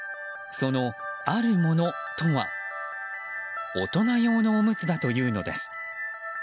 そのあるものとは大人用のおむつだというのです。